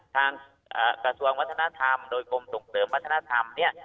ทางเอ่อกระทรวงวัฒนธรรมโดยกรมตรงเติมวัฒนธรรมเนี่ย